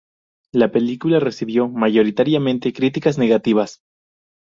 La película recibió mayoritariamente críticas negativas.